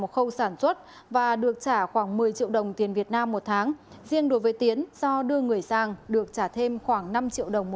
khoảng năm triệu đồng một tháng